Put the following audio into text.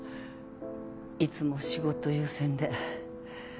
いつも仕事優先で。